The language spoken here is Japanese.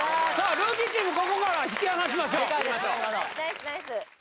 ルーキーチームここから引き離しましょうナイスナイス